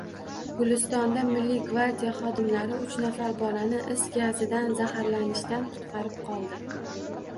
Gulistonda Milliy gvardiya xodimlari uch nafar bolani is gazidan zaharlanishdan qutqarib qoldi